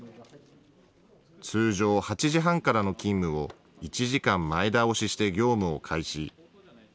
通常、８時半からの勤務を、１時間前倒しして業務を開始。